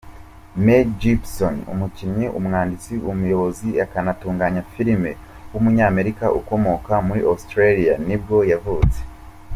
Mel Gibson, umukinnyi, umwanditsi, umuyobozi akanatunganya filime w’umunyamerika ukomoka muri Australia nibwo yavutse.